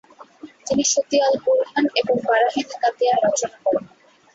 তিনি সতি আল বুরহান এবং বারাহিনে কাতিয়াহ রচনা করেন।